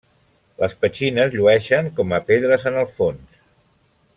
Les petxines llueixen com a pedres en el fons.